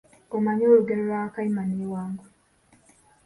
Omanyi olugero lwa "Wakayima ne Wango?"